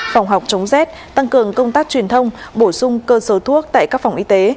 phòng học chống rét tăng cường công tác truyền thông bổ sung cơ số thuốc tại các phòng y tế